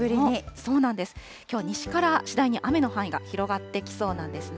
そうなんです、きょうは西から次第に雨の範囲が広がってきそうなんですね。